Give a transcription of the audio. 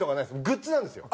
グッズなんですよ。